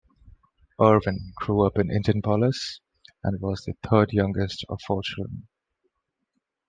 Irwin grew up in Indianapolis and was the third youngest of four children.